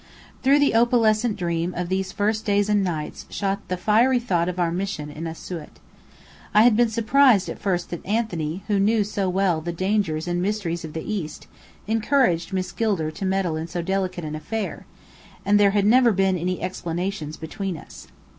Through the opalescent dream of these first days and nights, shot the fiery thought of our mission in Asiut. I had been surprised at first that Anthony, who knew so well the dangers and mysteries of the East, encouraged Miss Gilder to meddle in so delicate an affair; and there had never been any explanations between us.